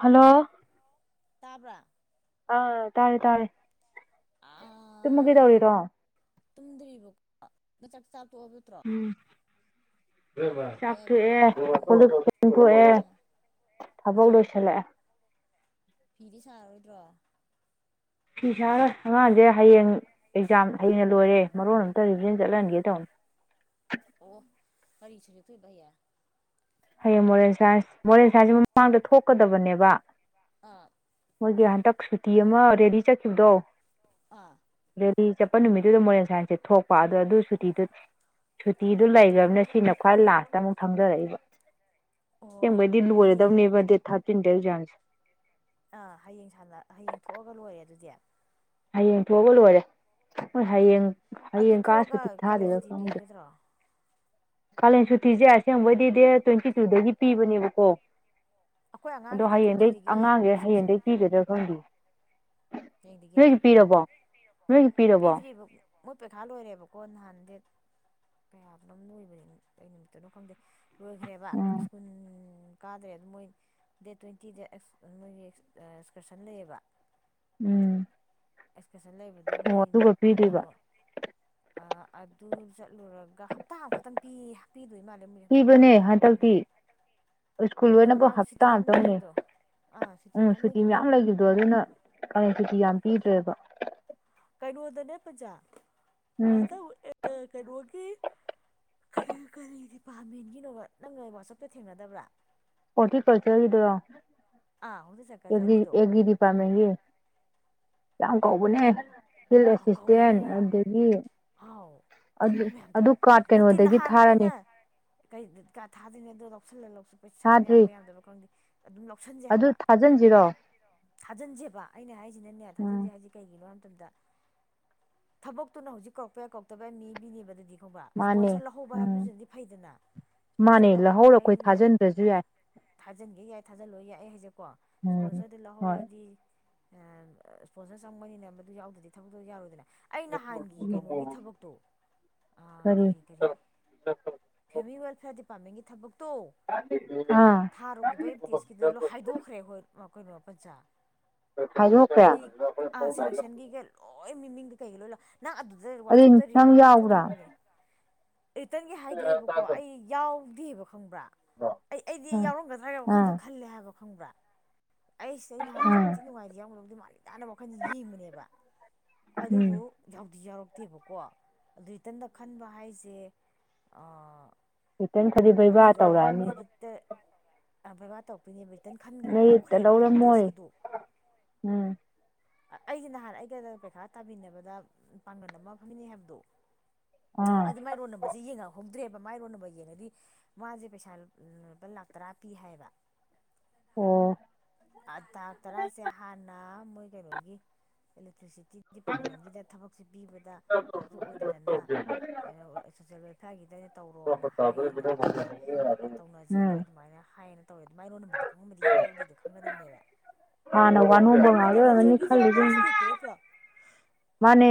hello ꯇꯥꯕ꯭ꯔ ꯑꯥ ꯇꯥꯔꯦ ꯇꯥꯔꯦ ꯇꯨꯃꯒꯦꯗꯧꯔꯤꯔꯣ ꯇꯨꯝꯗ꯭ꯔꯤꯕꯀꯣ ꯅꯣꯏ ꯆꯥꯛ ꯆꯥꯛ ꯇꯣꯛꯑꯕ ꯅꯠꯇ꯭ꯔꯣ ꯎꯝ ꯏꯕꯦꯝꯃ ꯇꯣꯛꯑꯦꯕꯀꯣ ꯆꯥꯛꯇꯣꯛꯑꯦ ꯑꯣ ꯀꯣꯜ ꯂꯤꯛ ꯐꯦꯡꯗꯣꯛꯑꯦ ꯎꯝ ꯊꯕꯛ ꯎꯝ ꯂꯣꯏꯁꯤꯜꯂꯛꯑꯦ ꯐꯤꯗꯤ ꯁꯥꯔꯔꯣꯏꯗ꯭ꯔꯣ ꯐꯤ ꯁꯥꯔꯔꯣꯏ ꯑꯉꯥꯡꯖꯦ ꯍꯌꯦꯡ ꯑꯦꯛꯖꯥꯝ ꯍꯌꯦꯡꯅ ꯂꯣꯏꯔꯦ ꯃꯔꯣꯟ ꯑꯝꯇ ꯔꯤꯚꯤꯖꯟ ꯆꯠꯂꯟꯒꯦ ꯇꯧꯅꯤ ꯑꯣ ꯀꯔꯤ ꯁꯞꯖꯦꯛ ꯊꯣꯛꯏꯕ ꯍꯩꯌꯩ ꯍꯌꯦꯡ ꯃꯣꯔꯦꯜ ꯁꯥꯏꯟꯁ ꯃꯣꯔꯦ ꯁꯥꯖ ꯃꯃꯥꯡꯗ ꯊꯣꯛꯀꯗꯕꯅꯦꯕ ꯑꯥ ꯃꯣꯏꯒꯤ ꯍꯟꯗꯛ ꯁꯨꯇꯤ ꯑꯃ ꯔꯦꯗꯤ ꯆꯠꯈꯤꯕꯗꯣ ꯑꯥ ꯁꯤ ꯆꯠꯄ ꯅꯨꯃꯤꯠꯇꯨꯗ ꯃꯣꯔꯦꯟ ꯁꯥꯏꯟꯁꯁꯦ ꯊꯣꯛꯄ ꯑꯗꯣ ꯑꯗꯨ ꯁꯨꯇꯤꯗꯨ ꯁꯨꯇꯤꯗꯨ ꯂꯩꯈ꯭ꯔꯕꯅꯤꯅ ꯁꯤꯅ ꯈ꯭ꯋꯥꯏ ꯂꯥꯁꯇ ꯑꯃꯨꯛ ꯊꯡꯗꯔꯛꯏꯕ ꯑꯣ ꯀꯦꯡꯕꯩꯗꯤ ꯑꯗꯨ ꯍꯌꯦꯡ ꯂꯣꯏꯔꯗꯕꯅꯦꯕ ꯗꯦꯠ ꯊꯥꯔ [inaudible] ꯑꯥ ꯍꯌꯦꯡ ꯁꯅ ꯍꯌꯦꯡ ꯊꯣꯛꯑꯒ ꯂꯣꯏꯔꯦ ꯑꯗꯨꯗꯤ ꯍꯌꯦꯡ ꯊꯣꯛꯑꯒ ꯂꯣꯏꯔꯦ ꯍꯣꯏ ꯍꯌꯦꯡ ꯑꯗꯨ ꯍꯌꯦꯡ ꯀꯥ ꯊꯣꯛꯑꯒ ꯁꯨꯇꯤ ꯀꯥꯂꯦꯟ ꯊꯥꯗꯣꯏꯔꯥ ꯁꯨꯇꯤ ꯈꯪꯗꯦ ꯄꯤꯒꯗ꯭ꯔꯣ ꯀꯥꯂꯦꯟ ꯁꯨꯇꯤꯁꯦ ꯑꯁꯦꯡꯕꯩꯗꯤ ꯗꯦꯠ ꯇ꯭ꯋꯦꯟꯇꯤ ꯇꯨꯗꯒꯤ ꯄꯤꯕꯅꯦꯕꯀꯣ ꯑꯩꯈꯣꯏ ꯑꯗꯣ ꯑꯉꯥꯡꯒꯤꯗꯤ ꯍꯌꯦꯡꯗꯩꯩ ꯇ꯭ꯋꯦꯟꯇꯤꯗꯒꯤ ꯑꯉꯥꯡꯁꯦ ꯑꯦꯛꯁꯀꯔꯁꯟ ꯍꯌꯦꯡꯗꯩꯩ ꯄꯤꯒꯗ꯭ꯔꯥ ꯈꯪꯗꯦ ꯌꯦꯡꯗꯒꯤ ꯅꯣꯏꯒꯤ ꯄꯤꯔꯕꯣ ꯅꯣꯏꯒꯤ ꯄꯤꯔꯕꯣ ꯄꯤꯗ꯭ꯔꯤꯕ ꯃꯣꯏ ꯄꯩꯈꯥ ꯂꯣꯏꯔꯦꯕꯀꯣ ꯅꯍꯥꯟꯗꯦꯠ ꯇꯦꯠ ꯀꯌꯥꯅꯣꯝ ꯂꯣꯏꯕꯅꯤ ꯀ ꯅꯨꯃꯤꯠꯇꯨꯅꯣ ꯈꯪꯗꯦ ꯂꯣꯏꯈ꯭ꯔꯦꯕ ꯎꯝ ꯁ꯭ꯀꯨꯜ ꯀꯥꯗ꯭ꯔꯦ ꯑꯗꯨ ꯃꯣꯏ ꯗꯦꯠ ꯇ꯭ꯋꯦꯟꯇꯤꯗ ꯃꯣꯏꯒꯤ ꯑꯦꯛꯁꯀꯔꯁꯟ ꯂꯩꯌꯦꯕ ꯎꯝ ꯑꯦꯛꯁꯀꯁꯟ ꯂꯩꯕꯗꯣ ꯑꯣ ꯃꯣꯏ ꯑꯗꯨꯒ ꯄꯤꯗꯣꯏꯕ ꯀꯩꯅꯣ ꯑꯥ ꯑꯗ [unintelligible] ꯂꯨꯔꯒ ꯍꯞꯇꯥ ꯑꯃꯈꯛꯇꯪ ꯄꯤ ꯍꯥꯞꯄꯤꯗꯣꯏ ꯏꯃꯜꯂꯦ ꯃꯣꯏ ꯍꯞꯇꯥ ꯄꯤꯕꯅꯦ ꯑꯃꯈꯛꯇꯅꯦ ꯍꯥꯏꯕꯣ ꯑꯗꯨꯃ ꯍꯟꯗꯛꯇꯤ ꯁ꯭ꯀꯨꯜ ꯑꯗꯨ ꯃꯣꯏ ꯂꯣꯏꯅꯕ ꯃꯃꯥꯡꯗ ꯁꯨꯇꯤ ꯍꯞꯇꯥ ꯌꯥꯝ ꯑꯃꯇꯪꯅꯦ ꯂꯩꯈꯤꯕꯗꯣ ꯑꯥ ꯁꯨꯇꯤ ꯎꯝ ꯃꯌꯥꯝ ꯂꯩꯈꯤꯕꯗꯣ ꯌꯥꯝ ꯂꯩꯈꯤꯕꯗꯣ ꯑꯗꯨꯅ ꯑꯗꯨꯗꯤ ꯌꯥꯝ ꯄꯤꯗ꯭ꯔꯦꯕ ꯀꯩꯅꯣꯗꯅꯦ ꯄꯟꯖꯥ ꯎꯝ ꯑꯗ ꯑꯦ ꯀꯩꯅꯣꯒꯤ ꯀꯔꯤ ꯗꯤꯄꯥꯔꯠꯃꯦꯟꯒꯤꯅꯣꯕ ꯅꯪꯅ ꯋꯥꯆꯞꯇ ꯊꯦꯡꯅꯗꯕ꯭ꯔꯥ ꯍꯣꯇꯤ ꯈꯜꯆꯔꯒꯤ ꯗꯨꯔꯣ ꯑꯥ ꯍꯣꯇꯦꯜ ꯑꯦ ꯁꯔꯀꯜꯆꯔꯒꯤꯗꯣ ꯑꯦꯒꯤꯗꯤꯗꯤꯄꯥꯥꯃꯦꯟꯒꯤ ꯌꯥꯝ ꯀꯧꯕꯅꯦ ꯐꯤꯜ ꯑꯥꯎ ꯀꯧꯏ ꯑꯦꯁꯤꯁꯇꯦꯟ ꯃꯤ ꯑꯗꯒꯤ ꯑꯥꯎ ꯑꯗꯨ ꯊꯕꯛ ꯃꯌꯥꯝꯗꯣ ꯑꯗꯨ ꯀꯥꯔꯠ ꯅꯠꯇꯦ ꯀꯩꯅꯣꯗꯒꯤ ꯅꯍꯥꯟ ꯊꯥꯔꯅꯤ ꯑꯩꯅ ꯀꯩ ꯀꯥ ꯊꯥꯗꯣꯏꯅꯦꯗꯣ ꯂꯧꯁꯤꯜꯂ ꯂꯧꯁꯤ ꯑꯩꯈꯣꯏ ꯁꯥ ꯊꯥꯗ꯭ꯔꯤ ꯌꯥꯝꯕ ꯌꯥꯝꯗꯕ ꯈꯪꯗꯦ ꯑꯗꯨꯝ ꯂꯧꯁꯟꯖꯦ ꯑꯗꯨ ꯍꯥꯏꯕ ꯊꯥꯖꯤꯟꯁꯤꯔꯣ ꯊꯥꯖꯤꯟꯁꯦꯕ ꯑꯩꯅ ꯍꯥꯏꯁꯦ ꯁꯤꯅꯅꯦ ꯎꯝ ꯊꯥꯖꯤꯟꯁꯦ ꯍꯥꯏꯖꯤ ꯀꯩꯒꯤꯂꯣ ꯇꯗ [inaudible] ꯊꯕꯛꯇꯨꯅ ꯍꯧꯖꯤꯛ ꯀꯧꯔꯛꯄ ꯌꯥꯏ ꯀꯧꯛꯇꯕ ꯌꯥꯏ ꯃꯦꯕꯤꯅꯦꯕ ꯑꯗꯨꯗꯤ ꯕ ꯃꯥꯅꯦ ꯏꯁꯄꯣꯟꯁꯔ ꯂꯧꯍꯧꯕ ꯎꯝ ꯍꯥꯏꯕꯕꯁꯤꯗꯤ ꯐꯩꯗꯅ ꯃꯥꯅꯦ ꯏꯁꯄꯣꯟꯁꯔ ꯂꯧꯍꯧꯕ ꯂꯧꯍꯧꯔ ꯑꯩꯈꯣꯏ ꯍꯥꯏꯁꯤꯅ ꯊꯥꯖꯤꯟꯗ꯭ꯔꯁꯨ ꯌꯥꯏ ꯊꯥꯖꯤꯟꯒꯦ ꯌꯥꯏ ꯊꯥꯖꯤꯜꯂꯣꯏ ꯌꯥꯏ ꯑꯩ ꯍꯥꯏꯁꯦꯀꯣ ꯎꯝ ꯏꯁꯄꯣꯟꯁꯔꯗꯨ ꯍꯣꯏ ꯂꯧꯍꯧꯔꯗꯤ ꯏꯁꯄꯣꯟꯁꯔ ꯆꯪꯕꯅꯤꯅꯦ ꯃꯗꯨ ꯌꯥꯎꯗ꯭ꯗꯤ ꯊꯕꯛ ꯇꯣ ꯌꯥꯔꯣꯏꯗꯅ ꯑꯩ ꯅꯍꯥꯟꯒꯤ ꯀꯩꯅꯣꯒꯤ ꯊꯕꯛꯇꯣ ꯑꯥ ꯀꯔꯤ ꯀꯔꯤ ꯐꯦꯃꯤꯂꯤ ꯋꯦꯜꯐꯤꯌꯥꯔ ꯗꯤ ꯄꯥꯝꯃꯦꯟꯒꯤ ꯊꯕꯛ ꯇꯣ ꯑꯥ ꯊꯥꯔꯨꯕꯗꯣ ꯑꯦꯝ ꯇꯤ ꯑꯦꯁ ꯀꯤꯗ ꯍꯥꯏꯗꯣꯛꯈ꯭ꯔꯦ ꯍꯣꯏ ꯃꯈꯣꯏ ꯄꯆꯥ ꯍꯥꯢꯗꯣꯛꯈ꯭ꯔꯦ ꯑꯣ ꯃꯤꯃꯤꯡꯒ ꯀꯩꯒ ꯂꯣꯢ ꯅꯪ ꯑꯗꯨꯗ ꯋꯥꯆꯞꯇ ꯅꯪ ꯌꯥꯎꯕ꯭ꯔꯥ ꯊꯥꯗꯣꯔꯛꯄꯗꯤ ꯔꯤꯇꯔꯟꯒꯤ ꯍꯥꯏꯗꯣꯛꯑꯦꯕꯀꯣ ꯑꯩ ꯌꯥꯎ [unintelligible] ꯐꯪꯕ꯭ꯔꯥ ꯑꯩ ꯑꯩꯗꯤ ꯑꯥ ꯌꯥꯎꯔꯝꯒꯗ꯭ꯔꯥꯒ ꯑꯥ ꯋꯥꯈꯟꯗ ꯈꯜꯂꯦ ꯍꯥꯏꯕ ꯈꯪꯕ꯭ꯔꯥ ꯑꯩ ꯁꯤꯗ ꯑꯩ ꯅꯍꯥꯟ ꯑꯦꯛꯖꯥꯝ ꯑꯥ ꯊꯤ ꯅꯨꯡꯉꯥꯏ ꯌꯥꯎꯔꯝꯗꯧꯗꯤ ꯃꯥꯜꯂꯤꯦ ꯅꯍꯥꯟꯅ ꯋꯥꯈꯜꯖꯦ ꯌꯦꯡꯕꯅꯦꯕ ꯎꯝ ꯑꯗꯨꯕꯨ ꯌꯥꯎꯗꯤ ꯌꯥꯎꯔꯛ ꯇꯦꯕꯀꯣ ꯑꯗꯨ ꯔꯤꯇꯟꯗ ꯈꯟꯕ ꯍꯥꯏꯁꯦ ꯑꯥ ꯔꯤꯇꯟ ꯈꯜꯂꯗꯤ ꯕꯩꯕꯥ ꯇꯧꯔꯛꯑꯅꯤ ꯑꯥ ꯚꯥꯢꯚ ꯇꯧꯔꯛꯇꯣꯢꯅꯦꯕ ꯇꯟ ꯈꯟꯈ꯭ꯔꯦ ꯃꯦꯔꯤꯠꯇ ꯍꯥꯏꯗꯣꯛꯈ꯭ꯔꯦꯕ ꯑꯦꯝ ꯇꯤ ꯂꯧꯔꯝꯃꯣꯏ ꯑꯦꯁꯀꯤꯗꯣ ꯎꯝ ꯑꯩꯒꯤ ꯅꯍꯥꯟ ꯑꯩꯒ ꯄꯩꯈꯥ ꯇꯥꯃꯤꯟꯅꯕꯗ ꯄꯥꯡꯒꯜ ꯑꯃ ꯐꯝꯃꯤꯟꯅꯩ ꯍꯥꯏꯕꯗꯣ ꯑꯥ ꯑꯗꯨꯃꯥꯏ ꯔꯣꯟ ꯅꯝꯕꯔꯁꯦ ꯌꯦꯡ ꯉꯛ ꯍꯧꯗ꯭ꯔꯦꯕ ꯃꯥꯏꯔꯣꯟ ꯅꯝꯕꯔ ꯌꯦꯡꯉꯗꯤ ꯃꯥꯁꯦ ꯄꯩꯁꯥ ꯂꯨꯄꯥ ꯂꯥꯛ ꯇꯔꯥ ꯄꯤ ꯍꯥꯏꯌꯦꯕ ꯑꯣ ꯑ ꯇꯥꯡ ꯇꯔꯥꯁꯦ ꯍꯥꯟꯅ ꯃꯣꯏ ꯀꯩꯅꯣꯒꯤ ꯑꯦꯂꯦꯛꯇ꯭ꯔꯤꯁꯤꯇꯤ ꯗꯤꯄꯥꯔꯠꯃꯦꯟꯒꯤꯗ ꯊꯕꯛꯁꯦ ꯄꯤꯕ ꯗ ꯊꯕꯛꯁꯨ ꯑꯣꯏꯗꯗꯅ ꯁꯣꯁꯦꯜ ꯋꯦꯜꯐꯤꯌꯥꯔꯒꯤꯗꯩꯅ ꯇꯧꯔꯣꯅ ꯍꯥꯏꯌꯦꯅ ꯑꯗꯨꯒꯤ ꯇꯧꯅꯖꯦꯅ ꯎꯝ ꯑꯗꯨꯃꯥꯏꯅ ꯍꯥꯏꯌꯦꯅ ꯇꯧꯋꯦ ꯑꯗꯨ ꯃꯥꯏꯔꯣꯟ ꯅꯝꯕꯔꯗꯣ ꯈꯪꯉꯝꯕꯗꯤ ꯌꯥꯎꯢ ꯌꯥꯎꯗꯦꯗꯣ ꯈꯪꯒꯗꯝꯅꯦꯕ ꯍꯥꯟꯅ ꯋꯥꯅꯣꯡꯕ ꯉꯥꯛꯇ ꯑꯣꯢꯔꯝꯒꯅꯤ ꯑꯩꯈꯣꯏ ꯈꯜꯂꯤꯁꯤꯡꯁꯦ ꯏꯁꯇꯦꯠꯀꯤ ꯅꯠꯇ꯭ꯔꯣ ꯃꯥꯅꯦ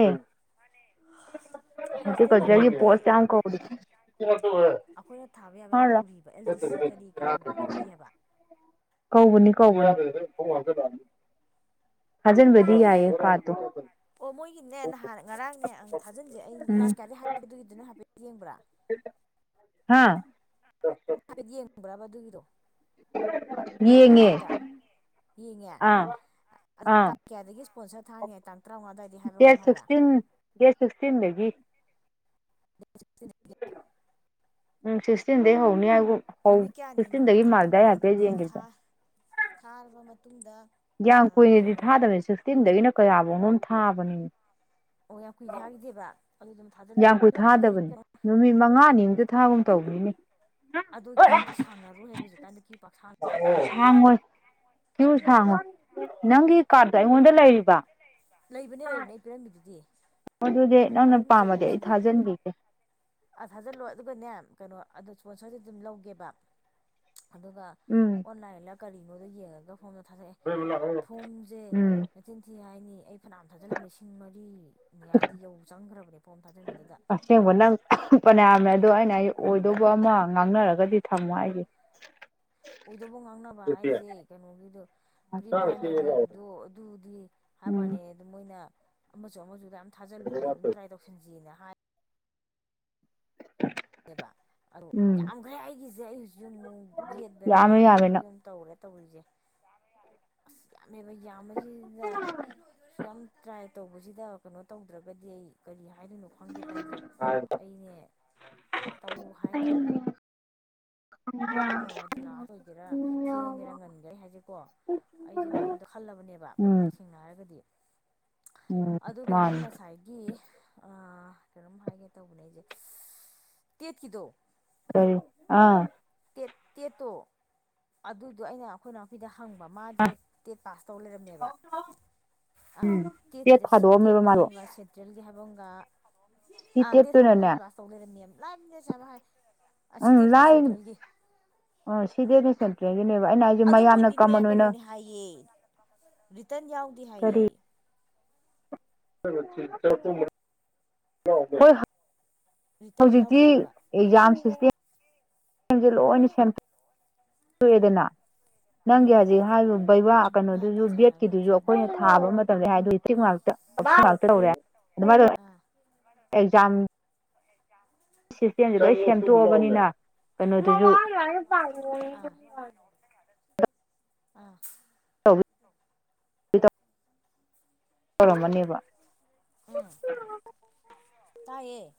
ꯑꯩꯈꯣꯏ ꯏꯁꯇꯦꯠꯀꯤ ꯍꯣꯇꯤꯀꯜꯆꯔꯒꯤ ꯑꯣꯏꯔꯗꯤ ꯄꯣꯁ ꯌꯥꯃ ꯀꯧꯕꯗꯨ ꯑꯩꯈꯣꯏꯅ ꯊꯥꯕ ꯌꯥꯕ ꯌꯥꯝ ꯀꯧꯔꯤꯕ ꯑꯦꯜ ꯗꯤ ꯁꯤ ꯀꯔꯤ ꯀꯔꯥ ꯃꯌꯥꯝ ꯀꯧꯔꯤ [inaudible] ꯍꯥꯏꯕ ꯀꯧꯕꯅꯤ ꯀꯧꯕꯅꯤ ꯊꯥꯖꯤꯟꯕꯩꯗꯤ ꯌꯥꯏꯌꯦ ꯀꯥꯔ꯭ꯠꯇꯨ ꯑꯣ ꯃꯣꯏꯒꯤꯅꯦ ꯅꯍꯥꯟ ꯉꯔꯥꯡꯅꯦ ꯊꯥꯖꯤꯟꯁꯦ ꯑꯩ ꯅꯍꯥꯟ ꯀꯌꯥꯗꯩ ꯍꯥꯏꯒꯦ ꯑꯗꯨꯒꯤꯗꯨ ꯌꯦꯡꯕ꯭ꯔꯥ ꯍꯥꯥ ꯌꯦꯡꯕꯔ꯭ ꯕ ꯑꯗꯨꯒꯤꯗꯣ ꯌꯦꯡꯉꯦ ꯋꯥꯆꯦꯞꯇ ꯌꯦꯡꯉꯦ ꯑꯥ ꯑꯥ ꯇꯥꯡ ꯀꯌꯥꯗꯒꯤ ꯏꯁꯄꯣꯟꯁꯔ ꯊꯥꯅꯤ ꯇꯥꯡ ꯇꯔꯥꯃꯉꯥ ꯑꯗꯨꯋꯥꯏꯗ ꯍꯥꯏꯕꯔ ꯗꯦꯠ ꯀꯩꯅꯣꯝ ꯍꯥꯏꯕ꯭ꯔꯥ ꯁꯤꯛꯁꯇꯤꯟ ꯗꯦꯠ ꯁꯤꯛꯁꯇꯤꯟꯗꯒꯤ [unintelligible] ꯎꯝ ꯁꯤꯁꯇꯤꯟ ꯗꯒꯤ ꯍꯧꯅꯤ ꯍꯥꯏꯒꯨꯝ ꯍꯧ ꯅꯨꯃꯤꯠ ꯀꯌꯥꯅꯣꯝꯅꯤꯗꯤ ꯁꯤꯛꯁꯇꯤꯟꯗꯒꯤ ꯃꯥꯜꯂꯤꯗ ꯑꯩ ꯊꯥꯔꯝꯃꯅꯤ ꯑꯗꯨ ꯍꯥꯏꯐꯦꯠ ꯗꯦꯠ ꯊꯥ ꯌꯦꯡꯒꯤꯕꯗ ꯥꯊꯥꯔꯕ ꯃꯇꯨꯡ ꯌꯥꯝ ꯀꯨꯏꯅꯗꯤ ꯊꯥꯗꯕꯅꯤ ꯁꯤꯛꯁꯇꯤꯟꯗꯒꯤꯅ ꯀꯌꯥ ꯀꯩꯅꯣꯝ ꯊꯥꯕꯅꯤ ꯑꯣ ꯌꯥꯝ ꯀꯨꯏꯅ ꯊꯥꯈꯤꯗꯦꯕ ꯑꯗꯨ ꯑꯗꯨꯝ ꯌꯥ ꯀꯨꯏ ꯊꯥꯗꯕꯅꯦ ꯊꯥꯖꯤꯜꯂꯒ ꯅꯨꯃꯤꯠ ꯃꯉꯥꯅꯤ ꯊꯥꯒꯨꯝ ꯇꯧꯕꯅꯤꯅꯦ ꯑꯗꯣ ꯀ꯭ꯌꯨꯗꯤ ꯁꯥꯡꯉꯔꯣꯏ ꯍꯥꯏꯕ ꯍꯧꯖꯤꯛꯀꯥꯟꯗ ꯀ꯭ꯋꯌꯨ ꯄꯥꯛ ꯁꯥꯡꯗꯦꯕ ꯁꯥꯡꯉꯣꯏ ꯀ꯭ꯌꯨ ꯎꯝ ꯁꯥꯡꯉꯣꯏ ꯅꯪꯒꯤ ꯀꯥꯔꯠꯇꯣ ꯑꯩꯉꯣꯟꯗ ꯂꯩꯔꯤꯕ ꯂꯩꯕꯅꯦ ꯂꯩꯕꯅꯦ ꯑꯩ ꯄꯤꯔꯝꯃꯤꯗꯨꯗꯤ ꯑꯗꯨꯗꯤ ꯅꯪꯅ ꯑꯗꯨꯝ ꯄꯥꯝꯃꯗꯤ ꯑꯩ ꯖꯦꯔꯣꯛꯁꯅꯦ ꯊꯥꯖꯟꯕꯤꯒꯦ ꯀꯅꯣ ꯑꯗꯣ ꯏꯁꯄꯣꯟꯁꯔꯗꯤ ꯑꯗꯨꯝ ꯂꯧꯒꯦꯕ ꯑꯗꯨꯒ ꯎꯝ ꯑꯣꯟꯂꯥꯏꯟꯂ ꯀꯔꯤꯅꯣ ꯌꯦꯡꯂꯥꯒ ꯐꯣꯝꯗꯣ ꯊꯥꯗꯛꯑꯦ ꯐꯣꯝꯁꯦ ꯎꯝ ꯃꯆꯤꯟ ꯊꯤ ꯍꯥꯏꯅꯤ ꯐꯅꯥ ꯌꯥꯝ ꯊꯖꯜꯂꯝꯃꯦ ꯂꯤꯁꯤꯡ ꯃꯔꯤ ꯃꯌꯥꯗꯤ ꯌꯧ ꯆꯪꯈ꯭ꯔꯕꯅꯦ ꯐꯣꯝ ꯊꯥꯖꯤꯟꯕꯗꯨꯗ ꯐꯅꯌꯥꯝ ꯌꯥꯝꯃꯦ ꯑꯗꯣ ꯑꯩꯅ ꯑꯣꯏꯗꯧꯕ ꯑꯃ ꯉꯥꯡꯅꯔꯒꯗꯤ ꯊꯝꯃꯣ ꯍꯥꯏꯁꯦ ꯑꯣꯏꯗꯧꯕ ꯉꯥꯡꯅꯕ ꯍꯥꯏꯁꯦ ꯀꯩꯅꯣꯒꯤꯗꯣ ꯄ꯭ꯔꯤ ꯄ꯭ꯔꯥꯏꯃꯥꯔꯤꯒꯤꯗꯣ ꯑꯗꯨꯗꯤ ꯍꯥꯏꯕꯅꯦ ꯎꯝ ꯑꯗꯨ ꯃꯣꯏꯅ [inaudible] ꯌꯥꯝ ꯊꯥꯖꯜꯂꯨ ꯑꯗꯨꯝ ꯇ꯭ꯔꯥꯏ ꯇꯧꯁꯟꯁꯤꯅ ꯍꯥꯏ ꯑꯗꯣ ꯎꯝ ꯌꯥꯝꯈ꯭ꯔꯦ ꯑꯩꯒꯤꯁꯦ ꯍꯧꯖꯤꯛꯁꯨꯃꯨꯛ ꯒꯦꯠ ꯕꯦꯔꯥ ꯌꯥꯝꯃꯦ ꯑꯃꯨꯛ ꯌꯥꯝꯃꯦ ꯇꯧꯕꯒꯤ ꯅꯪ ꯑꯃꯨꯛ ꯇꯧꯔꯦ ꯇꯧꯔꯤꯁꯦ ꯑꯁ ꯌꯥꯝꯕꯁꯤꯗ ꯑꯁꯨꯛ ꯌꯥꯝ ꯇꯔ ꯇꯧꯕꯁꯤꯗ ꯀꯩꯅꯣ ꯇꯧꯗ꯭ꯔꯒꯗꯤ ꯑꯩ ꯀꯔꯤ ꯍꯥꯏ ꯍꯥꯏꯗꯣꯏꯅꯨ ꯈꯪꯗꯦ ꯇꯅꯨꯖ ꯑꯩꯅꯦ ꯇꯧ ꯍꯥꯏ ꯇꯥ ꯑꯃꯃ ꯂꯥꯁ ꯑꯣꯏꯒꯦꯔꯥ ꯊꯦꯡꯒꯦꯔꯥ ꯉꯟꯒꯦꯔꯥ ꯑꯩ ꯍꯥꯏꯖꯦꯀꯣ ꯑꯩꯖꯦ ꯑꯗꯨꯝ ꯑꯝꯇ ꯈꯜꯂꯕꯅꯦꯕ ꯎꯝ ꯁꯦꯡꯅ ꯍꯥꯏꯔꯒꯗꯤ ꯎꯝ ꯑꯗꯨꯒ ꯅꯪ ꯃꯥꯅꯤ ꯉꯁꯥꯏꯒꯤ ꯑꯥ ꯀꯅꯣꯝ ꯍꯥꯏꯒꯦ ꯇꯧꯕꯅꯦ ꯑꯩꯖꯦ ꯇꯦꯠꯀꯤꯗꯣ ꯀꯔꯤ ꯑꯥ ꯇꯦꯠ ꯇꯦꯠꯇꯣ ꯑꯗꯨꯗꯣ ꯑꯩꯅ ꯑꯩꯈꯣꯏꯅꯥꯎꯄꯤꯗ ꯍꯪꯕ ꯃꯥꯖꯦ ꯇꯦꯠ ꯄꯥꯁ ꯇꯧ ꯂꯩꯔꯝꯃꯦꯕ ꯑꯥ ꯎꯝ ꯇꯦꯠ ꯇꯦꯠꯁꯤꯗ ꯁꯤ ꯇꯦꯠ ꯊꯥꯗꯣꯛꯑꯝꯃꯦꯕ ꯍꯥꯏꯕ ꯃꯥꯗꯣ ꯑꯃꯒ [unintelligible] ꯍꯥꯏꯕ ꯑꯃꯒ ꯁꯤ ꯑꯥ ꯇꯦꯠ ꯊꯥꯔꯤꯅ ꯇꯦꯠꯇꯨꯅꯅꯦ ꯄꯥꯁ ꯇꯧ ꯂꯩꯔꯝꯃꯦ ꯂꯥꯏꯕꯅꯦ ꯁꯂ ꯍꯥꯏ ꯑꯁꯤ ꯇꯦꯠꯇꯨꯅ ꯁꯦꯟꯇ꯭ꯔꯦꯜꯒꯤ ꯑꯥ ꯁꯤꯗꯦꯗꯤ ꯁꯦꯟꯇ꯭ꯔꯦꯜ ꯑꯗꯣ ꯃꯣꯏꯗꯤꯅꯦ ꯀꯅꯣꯅꯦ ꯍꯥꯏꯌꯦ ꯔꯤꯇꯟ ꯌꯥꯎꯗꯦ ꯍꯥꯏꯌꯦ ꯀꯔꯤ [unintelligible] ꯔꯤꯇꯟ ꯍꯧꯖꯤꯛꯇꯤ ꯌꯥꯎꯗꯦ ꯍꯥꯏꯕ ꯑꯦꯛꯖꯥꯝ ꯁꯤꯁꯇꯦꯝ ꯁꯝꯝꯖꯦ ꯂꯣꯏꯅ ꯁꯦꯝ ꯇꯣꯛꯑꯦꯗꯅ ꯅꯪꯒꯤ ꯎꯝ ꯍꯖꯤꯛ ꯍꯥꯏꯔꯤꯕ ꯕꯩꯕꯥ ꯎꯝ ꯃꯥ ꯑꯃ ꯀꯩꯅꯣꯗꯨꯖꯨ ꯁꯥꯟꯅꯔꯒ ꯕꯦꯠꯀꯤꯗꯨꯖꯨ ꯂꯣꯏꯁꯤꯜꯂꯅꯤ ꯑꯩꯈꯣꯏꯅ ꯊꯥꯕ ꯃꯇꯝꯗ ꯎꯝ ꯗꯥꯏꯖꯦꯗꯤꯛ ꯉꯥꯛꯇ [unintelligible] ꯑꯥ ꯑꯦꯛꯖꯝ ꯁꯤꯁꯇꯦꯝꯖꯦ ꯂꯣꯏ ꯁꯦꯝꯇꯣꯛꯑꯕꯅꯤꯅ ꯀꯅꯣꯗꯨꯖꯅꯦ ꯃꯥ ꯑꯩ ꯂꯥꯏꯔꯤꯛ ꯄꯥꯒꯤꯔꯣꯏꯌꯦ ꯑꯥ ꯑꯥ [unintelligible] ꯇꯧꯔꯝꯃꯅꯦꯕ ꯎꯝ [inaudible] ꯇꯥꯏꯌꯦ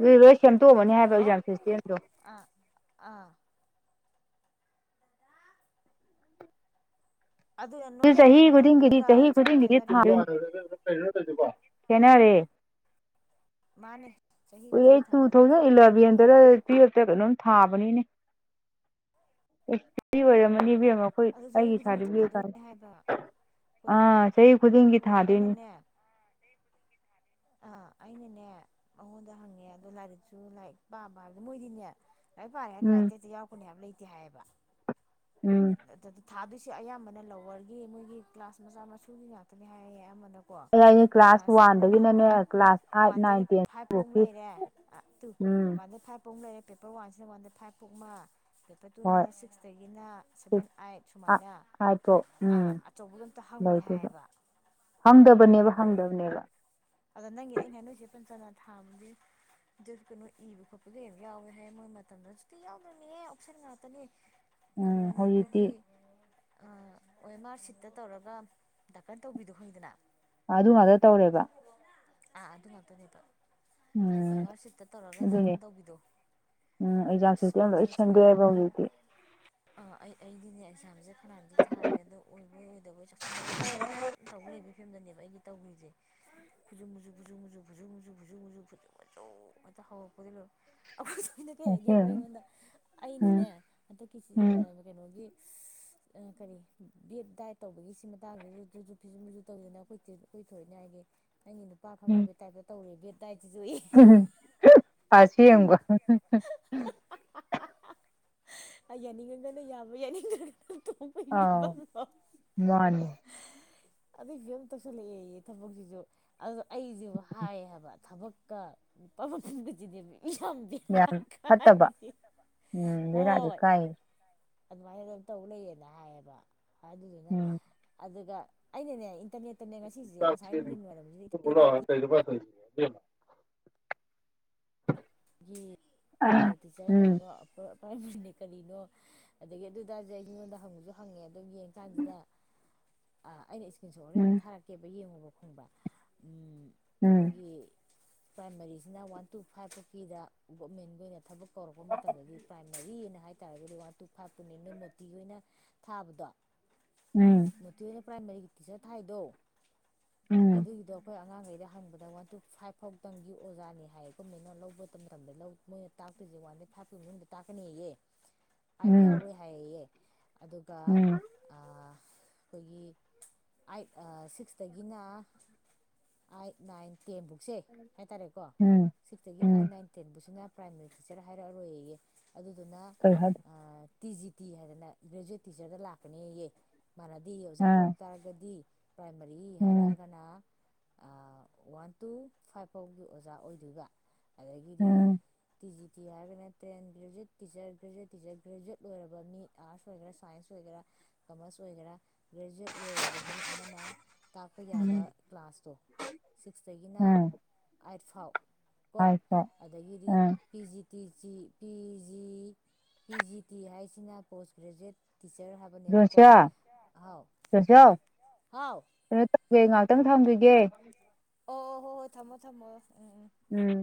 ꯅꯣꯏ ꯂꯣꯏ ꯁꯦꯝꯗꯣꯛꯑꯃꯅꯤ ꯍꯥꯏꯕ ꯍꯜꯂꯣ ꯑꯦꯛꯖꯥꯝ ꯁꯤꯁꯇꯦꯝꯗꯣ ꯑꯥ ꯑꯥ ꯑꯗꯨꯅ ꯅꯣꯏꯒꯤ ꯆꯍꯤ ꯈꯨꯗꯤꯡꯒꯤꯗꯤ ꯃꯇꯝꯗꯨꯒ ꯆꯍꯤ ꯍꯧꯖꯤꯛꯀ ꯈꯨꯗꯤꯡꯒꯤꯗꯤ ꯈꯦꯠꯅꯔꯦ ꯊꯥ ꯍꯥꯏꯕ [unintelligible] [inaudible] ꯈꯦꯅꯔꯦ ꯃꯥꯅꯦ ꯆꯍꯤ ꯎꯏꯌꯦ ꯈꯨꯗꯤꯡꯒꯤ ꯇꯨ ꯊꯥꯗꯣꯏꯅꯦ ꯊꯧꯖꯟ ꯏꯜꯂꯚꯦꯟ ꯗꯔꯦ ꯕꯦꯠꯂ ꯀꯩꯅꯣꯝ ꯊꯥꯕꯅꯤꯅꯦ [unintelligible] ꯑꯣꯏꯔꯝꯃꯅꯤ ꯏꯕꯦꯝꯃ ꯑꯈꯣꯏ ꯑꯗꯨ ꯆꯍꯤ ꯑꯩꯒꯤ ꯈꯨꯗꯤꯡꯒꯤ ꯁꯥꯔꯇꯤꯕꯤꯀꯦꯠ ꯀꯥꯏ ꯊꯥꯗꯣꯏꯅꯦ ꯍꯥꯏꯕ ꯑꯥ ꯆꯍꯤ ꯈꯨꯗꯤꯡꯒꯤ ꯊꯥꯗꯣꯏꯅꯤ ꯑꯩꯅꯅꯦ ꯑꯥ ꯑꯩꯅꯅꯦ ꯃꯥꯉꯣꯟꯗ ꯍꯪꯉꯦ ꯑꯗꯣ ꯂꯥꯏꯔꯤꯛꯁꯨ ꯂꯥꯏꯔꯤꯛ ꯄꯥꯝꯕ ꯍꯥꯏꯕꯗꯤ ꯃꯣꯏꯗꯤꯅꯦ ꯂꯥꯏꯔꯤꯛ ꯄꯥꯔꯦꯅꯥ ꯎꯝ ꯂꯥꯏꯔꯤꯛꯇ ꯍꯦꯛꯇ ꯌꯥꯎꯔꯛꯀꯅꯤ ꯍꯥꯏꯕ ꯂꯩ ꯇꯦ ꯍꯥꯏꯌꯦꯕ ꯎꯝ ꯑꯗꯨ ꯊꯥꯗꯣꯏꯁꯦ ꯑꯌꯥꯝꯕꯅ ꯂꯋꯔꯒꯤ ꯃꯣꯏꯒꯤ ꯀ꯭ꯂꯥꯁ ꯃꯆꯥ ꯃꯁꯨꯒꯤ ꯉꯥꯛꯇꯅꯦ ꯍꯥꯏꯌꯦꯌꯦ ꯑꯃꯅ ꯀꯣ ꯑꯩ ꯑꯩꯅ ꯀ꯭ꯂꯥꯁ ꯀ꯭ꯥꯂꯁꯁꯦ ꯑꯃꯅ ꯋꯥꯟꯗꯒꯤꯅꯅꯦ ꯀ꯭ꯂꯥꯁ ꯑꯥꯏꯠ ꯅꯥꯏꯟ ꯋꯥꯟꯗꯩꯅ ꯇꯦꯟ ꯐꯥꯏꯚ ꯐꯧ ꯐꯥꯎꯀꯤ ꯂꯩꯔꯦ ꯑ ꯇꯨ ꯎꯝ ꯋꯥꯟꯗꯩ ꯐꯥꯏꯚ ꯐꯧ ꯂꯩꯔꯦ ꯄꯦꯄꯔ ꯋꯥꯟꯁꯤꯅ ꯋꯥꯟꯗꯩ ꯐꯥꯏꯚ ꯕꯨꯛ ꯑꯃ ꯄꯦꯞꯄꯔ ꯍꯣꯏ ꯇꯨꯅ ꯁ꯭ꯤꯁꯛꯇꯒꯤꯅ ꯁꯚꯦꯟ ꯁꯤꯛꯁ ꯑꯥꯏꯠ ꯁꯨꯃꯥꯏꯅ ꯑꯥꯏꯠꯐꯥꯎ ꯑ ꯎꯝ ꯑꯆꯧꯕꯗꯣ ꯑꯝꯇ ꯍꯪꯉꯣꯏ ꯍꯥꯏꯌꯦꯕ ꯕꯦꯕ ꯍꯪꯗꯝꯅꯦꯕ ꯊꯥꯝꯒꯤ ꯗꯤꯠ ꯀꯩꯅꯣ ꯏꯕ ꯈꯣꯠꯄꯒ ꯌꯥꯝ ꯌꯥꯎꯋꯦ ꯍꯥꯏ ꯃꯣꯏ ꯃꯇꯝꯗꯅ ꯁꯨꯨꯛꯇꯤ ꯌꯥꯎꯗ꯭ꯔꯕꯅꯤꯅꯪ ꯑꯣꯞꯁꯟ ꯉꯥꯛꯇꯅꯦ ꯎꯝ ꯀꯥꯅꯣꯅꯦ ꯍꯧꯖꯤꯛꯇꯤ ꯈꯣꯏꯒꯤ ꯑ ꯑꯣ ꯑꯦꯝ ꯑꯥꯔ ꯁꯤꯠꯇ ꯇꯧꯔꯒ ꯗꯥꯔꯀꯟ ꯇꯧꯕꯤꯗꯣ ꯈꯪꯉꯤꯗꯅ ꯑꯗꯨ ꯉꯥꯛꯇ ꯇꯧꯔꯦꯕ ꯑꯥ ꯑꯗꯨ ꯉꯥꯛꯇꯅꯦ ꯑꯣ ꯑꯦꯝ ꯎꯝ ꯑꯥꯔ ꯁꯤꯠꯇ ꯇꯧꯔꯒ ꯑꯗꯨꯅꯦ ꯗꯥꯀꯟ ꯇꯧꯕꯤꯗꯣ ꯎꯝ ꯑꯦꯛꯖꯥꯝ ꯑꯁ ꯁꯤꯁꯇꯦꯝ ꯂꯣꯏ ꯄꯇꯅꯆꯥꯡ ꯁꯦꯝꯗꯣꯛꯑꯦꯕ ꯍꯧꯖꯤꯛꯇꯤ ꯑꯥ ꯑꯩ ꯑꯩ ꯑꯗꯨꯅꯦ ꯑꯦꯛꯖꯥꯝꯁꯦ ꯐꯅꯌꯥꯝꯗꯤ ꯊꯥꯔꯦ ꯑꯗꯣ ꯑꯣꯏꯕꯣꯏ ꯑꯣꯏꯗꯕꯣꯏ [unintelligible] ꯐꯤꯝꯗꯅꯦꯕ ꯑꯩꯒꯤ ꯇꯧꯒꯔꯤꯁꯦ ꯐꯨꯁꯨ ꯃꯨꯁꯨꯨ ꯐꯨꯁꯨ ꯃꯨꯆꯨ ꯐꯨꯁꯨ ꯃꯨꯆꯨ ꯐꯨꯁꯨ ꯃꯨꯨꯁꯨ ꯐꯨꯠꯁꯨ ꯃꯨꯁꯨ ꯍꯦꯛꯇ ꯍꯧꯔꯛꯄꯗꯩ ꯂꯣꯏ ꯑꯩꯈꯣꯏ ꯊꯣꯏꯅ ꯀꯩ ꯍꯥꯏꯒꯦꯕꯨ ꯑꯁꯦꯡꯕ ꯑꯩꯉꯣꯟꯗ ꯎꯝ ꯑꯩꯅꯅꯦ ꯍꯟꯗꯛꯀꯤꯁꯤ ꯎꯝ ꯑ ꯀꯩꯅꯣꯒꯤ ꯑꯁ ꯑ ꯀꯔꯤ ꯕꯦꯠ ꯗꯥꯏꯠ ꯇꯧꯕꯒꯤ ꯁꯤ ꯃꯇꯥꯡꯁꯤꯗ ꯇꯨꯁꯨ ꯐꯤꯁꯨ ꯃꯤꯖꯨ ꯇꯧꯗꯅ ꯑꯩꯈꯣꯏ ꯑꯩꯈꯣꯏ ꯊꯣꯏꯅ ꯍꯥꯏꯅꯦ ꯑꯩꯒꯤ ꯅꯨꯄꯥ ꯈꯪꯅꯕꯩ ꯇꯥꯏꯞꯇ ꯇꯧꯔꯦꯒꯦ ꯑꯝ ꯑꯁꯦꯡꯕ ꯑ ꯌꯥꯅꯤꯡꯉꯒꯅ ꯌꯥꯕ ꯌꯥꯅꯤꯡꯗꯔꯒꯅ ꯑꯥꯎ ꯃꯥꯅꯦ ꯑꯗꯨꯏ ꯐꯤꯕꯝ ꯇꯧꯁꯤꯜꯂꯛꯑꯦ ꯌꯦ ꯊꯕꯛꯁꯤꯁꯨ ꯑꯗꯨꯒ ꯑꯩꯁꯦꯕꯨ ꯍꯥꯏ ꯍꯥꯏꯕ ꯊꯕꯛ [unintelligible] ꯌꯥꯝ ꯐꯠꯇꯕ ꯎꯝ ꯂꯩꯅꯗꯨ ꯍꯣꯏ ꯀꯥꯏ ꯑꯗꯨꯃꯥꯏꯅ ꯑꯗꯨꯝ ꯇꯧ ꯂꯩꯌꯦꯅ ꯍꯥꯏꯌꯦꯕ ꯍꯥꯏꯗꯨꯗꯨꯅ ꯎꯝ ꯑꯗꯨꯒ ꯑꯩꯅꯅꯦ ꯏꯟꯇ꯭ꯔꯅꯦꯠꯇꯅꯦ ꯉꯁꯤꯁꯦ ꯉꯁꯥꯏ ꯅꯨꯡꯗꯤꯟ ꯋꯥꯏꯔꯝꯁꯤꯗ ꯑꯕꯦꯝꯃ ꯒꯤ ꯄ꯭ꯔꯥꯏꯃꯔꯤ ꯇꯤꯆꯔꯅ ꯎꯝ ꯀꯩꯅꯣ ꯑꯞꯄꯔ ꯀꯔꯤꯅꯣ ꯑꯗꯒꯤ ꯑꯗꯨ ꯇꯔꯁꯨ ꯃꯤꯉꯣꯟꯗ ꯍꯪꯕꯁꯨ ꯍꯪꯉꯦ ꯌꯦꯡ ꯀꯥꯟꯁꯤꯗ ꯑ ꯑꯩꯅ ꯏꯁ ꯍꯣꯔꯦꯟ ꯎꯝ ꯊꯥꯔꯛꯀꯦꯕ ꯌꯦꯡꯉꯣꯕ ꯈꯪꯕ꯭ꯔꯥ ꯑꯝ ꯎꯝ ꯑꯩꯈꯣꯏꯒꯤ ꯄ꯭ꯔꯥꯏꯃꯥꯔꯤꯁꯤꯅ ꯋꯥꯟ ꯇꯨ ꯐꯥꯏꯚ ꯒꯣꯔꯃꯦꯟꯒꯤ ꯑꯣꯏꯅ ꯊꯕꯛ ꯀꯧꯔꯛꯄ ꯃꯇꯝꯗꯗꯤ ꯄ꯭ꯔꯥꯏꯃꯔꯤꯅ ꯍꯥꯏ ꯑꯗꯨꯏ ꯇꯥꯔꯒꯗꯤ ꯋꯥꯟ ꯇꯨ ꯃꯣꯇꯤ ꯍꯣꯏꯅ ꯊꯥꯕꯗꯣ ꯎꯝ ꯃꯣꯇꯤ ꯍꯣꯏꯅ ꯄ꯭ꯔꯥꯏꯃꯔꯤꯒꯤ ꯇꯤꯆꯔ ꯊꯥꯏꯗꯣ ꯎꯝ ꯑꯗꯨꯒꯤꯗꯣ ꯑꯩꯈꯣꯏ ꯑꯉꯥꯡꯈꯩ ꯍꯪꯕꯗ ꯋꯥꯟ ꯇꯨ ꯐꯥꯏꯚ ꯐꯥꯎꯇꯪꯒꯤ ꯑꯣꯖꯥꯅꯤ ꯍꯥꯏꯌꯦ ꯒꯣꯕꯔꯃꯦꯟꯇꯅ ꯂꯧꯕ ꯃꯇꯝꯗ ꯂꯧ ꯃꯣꯏꯅ ꯇꯥꯛꯇꯣꯏꯁꯦ ꯋꯥꯟꯗꯩ ꯐꯥꯏꯞꯄꯨꯛꯀꯤ ꯃꯅꯨꯡꯗ ꯇꯥꯛꯀꯅꯤꯌꯦ ꯑꯩꯏꯠ ꯎꯝ ꯌꯥꯎꯔꯣꯏ ꯍꯥꯏꯌꯦꯌꯦ ꯑꯗꯨꯒ ꯎꯝ ꯑꯥ ꯑꯩꯈꯣꯏꯒꯤ ꯑꯩꯏꯠ ꯁꯤꯛꯁꯇꯒꯤꯅ ꯑꯥꯏꯠ ꯅꯥꯏꯟ ꯇꯦꯟꯕꯨꯛꯁꯦ ꯍꯥꯏꯇꯥꯔꯦꯀꯣ ꯎꯝ ꯁꯤꯛꯁꯇꯒꯤꯅ ꯎꯝ ꯑꯩꯏꯛ ꯅꯥꯏꯟ ꯁꯤꯅ ꯄ꯭ꯔꯥꯏꯃꯔꯤ ꯇꯤꯆꯔ ꯍꯥꯏꯔꯛꯑꯔꯣꯏ ꯌꯦꯌꯦ ꯑꯗꯨꯗꯨꯅ ꯀꯩ ꯍꯥꯏ ꯇꯤ ꯖꯤ ꯇꯤ ꯍꯥꯏꯗꯅ ꯒ꯭ꯔꯦꯖꯨꯌꯦꯠ ꯇꯤꯆꯔꯗ ꯂꯥꯛꯀꯅꯦꯌꯦ ꯃꯟꯅꯗꯦꯌꯦ ꯑꯣꯖꯥ ꯑꯥ ꯀꯧꯔꯛ ꯇꯥꯔꯒꯗꯤ ꯄ꯭ꯔꯥꯏꯃꯥꯔꯤ ꯎꯝ ꯍꯥꯏꯔꯛꯑꯒꯅ ꯋꯥꯟ ꯇꯨ ꯐꯥꯏꯚ ꯐꯥꯎꯒꯤ ꯑꯣꯖꯥ ꯑꯣꯏꯗꯣꯏꯕ ꯑꯗꯒꯤ ꯑꯦ ꯎꯝ ꯇꯤ ꯖꯤ ꯇꯤ ꯍꯥꯏꯔꯒꯅ ten graduate teacher graduate teacher graduate ꯂꯣꯏꯔꯕ ꯃꯤ ꯑꯥꯔꯠꯁ ꯑꯣꯏꯒꯦꯔꯥ ꯁꯥꯏꯟꯁ ꯑꯣꯏꯒꯦꯔꯥ ꯀꯃꯔꯁ ꯑꯣꯏꯒꯦꯔꯥ ꯒ꯭ꯔꯦꯖꯨꯋꯦꯠ ꯂꯣꯏꯔꯕ ꯃꯤ ꯑꯃꯅ ꯇꯥꯛꯄ ꯌꯥꯕ ꯀ꯭ꯂꯥꯁꯇꯣ ꯁꯤꯛꯁꯇꯒꯤꯅ ꯎꯝ ꯑꯥꯏꯠ ꯐꯥꯎ ꯀꯣ [unintelligible] ꯑꯗꯒꯤꯗꯤ ꯎꯝ P G ꯇꯤꯖꯤ P G P G T ꯍꯥꯏꯁꯤꯅ ꯄꯣꯁ ꯒ꯭ꯔꯦꯖꯨꯋꯌꯦꯠ ꯇꯤꯆꯔ ꯍꯥꯏꯕꯅꯦꯕꯀꯣ ꯖꯣꯁꯤꯌꯥ ꯍꯥꯎ ꯖꯣꯁꯤꯌꯥ ꯑꯣ ꯀꯩꯅꯣ ꯇꯧꯋꯦ ꯑꯦ ꯉꯥꯛꯇꯪ ꯊꯝꯒꯤꯒꯦ ꯑꯣ ꯍꯣꯏ ꯍꯣꯏ ꯊꯝꯃꯣ ꯊꯝꯃꯣ ꯎꯝ ꯎꯝ ꯎꯝ